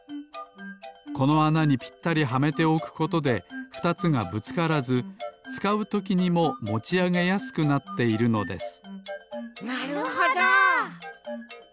このあなにぴったりはめておくことで２つがぶつからずつかうときにももちあげやすくなっているのですなるほど。